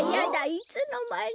いつのまに。